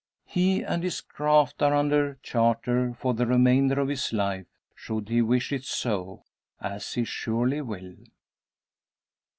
He and his craft are under charter for the remainder of his life, should he wish it so as he surely will.